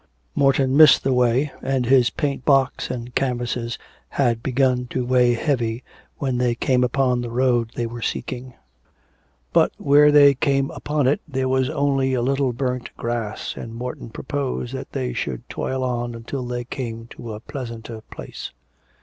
Morton missed the way, and his paint box and canvases had begun to weigh heavy when they came upon the road they were seeking. But where they came upon it, there was only a little burnt grass, and Morton proposed that they should toil on until they came to a pleasanter place.